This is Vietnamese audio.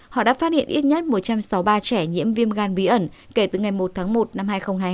họ đã phát hiện ít nhất một trăm sáu mươi ba trẻ nhiễm viêm gan bí ẩn kể từ ngày một tháng một năm hai nghìn hai mươi hai